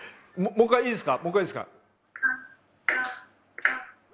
もう一回いいですか？